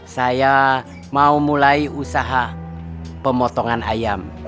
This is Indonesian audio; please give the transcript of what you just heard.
saya mau mulai usaha pemotongan ayam